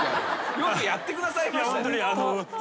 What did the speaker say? よくやってくださいましたね。